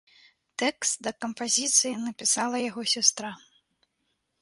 Тэкст да кампазіцыі напісала яго сястра.